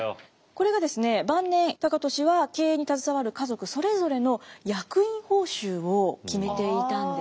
これがですね晩年高利は経営に携わる家族それぞれの役員報酬を決めていたんですね。